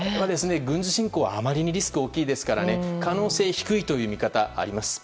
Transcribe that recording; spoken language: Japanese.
軍事侵攻はあまりにリスクが大きいですから可能性は低いという見方があります。